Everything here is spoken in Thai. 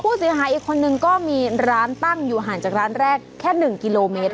ผู้เสียหายอีกคนนึงก็มีร้านตั้งอยู่ห่างจากร้านแรกแค่๑กิโลเมตร